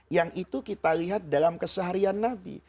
yang itu kita lihat dalam keseharian nabi